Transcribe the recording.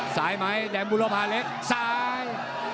สายไหมแดงบุรพาเล็กซ้าย